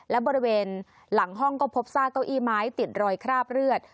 และบริเวณหลังห้องก็พบซากเก้าอี้ไม้ติดรอยคราบเลือด